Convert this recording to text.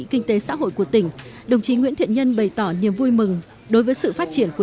kinh tế xã hội của tỉnh đồng chí nguyễn thiện nhân bày tỏ niềm vui mừng đối với sự phát triển của